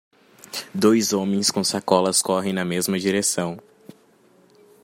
Dois homens com sacolas correm na mesma direção.